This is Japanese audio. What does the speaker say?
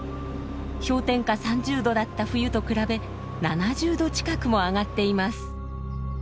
氷点下３０度だった冬と比べ７０度近くも上がっています。